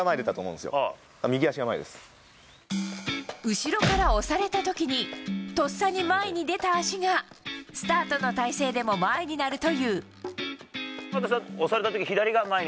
後ろから押された時にとっさに前に出た足がスタートの体勢でも前になるという。